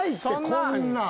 こんなん。